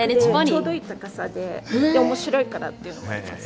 ちょうどいい高さで面白いからっていうのもあります。